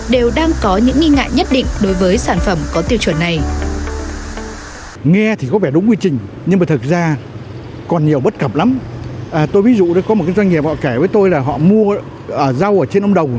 đều đang có những nghi ngại nhất định đối với sản phẩm có tiêu chuẩn này